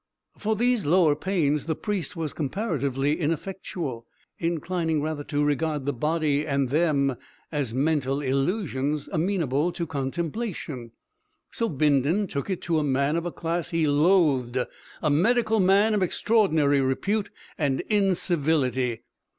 For these lower pains the priest was comparatively ineffectual, inclining rather to regard the body and them as mental illusions amenable to contemplation; so Bindon took it to a man of a class he loathed, a medical man of extraordinary repute and incivility.